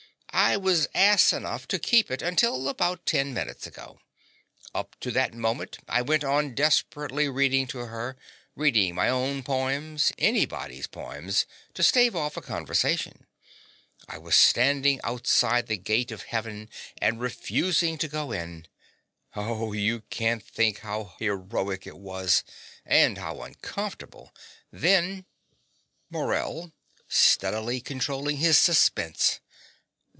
I was ass enough to keep it until about ten minutes ago. Up to that moment I went on desperately reading to her reading my own poems anybody's poems to stave off a conversation. I was standing outside the gate of Heaven, and refusing to go in. Oh, you can't think how heroic it was, and how uncomfortable! Then MORELL (steadily controlling his suspense).